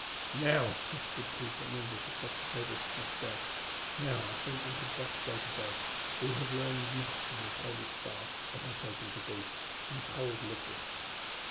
"Now," whispered Peter in English across the table to Castell—"now I think that we had best go to bed, for we have learned much from this holy spy—as I take him to be—and told little."